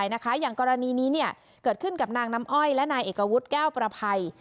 อย่างกรณีนี้เกิดขึ้นกับนางน้ำอ้อยและนายเอกวุฒิแก้วประภัย